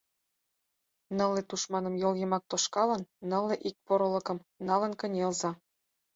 Нылле тушманым йол йымак тошкалын, нылле ик порылыкым налын кынелза!